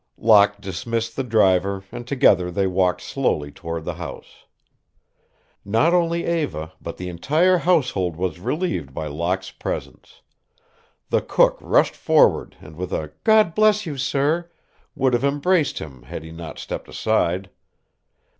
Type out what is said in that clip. Locke dismissed the driver, and together they walked slowly toward the house. Not only Eva, but the entire household was relieved by Locke's presence. The cook rushed forward and, with a "God bless you, sir!" would have embraced him had he not stepped aside.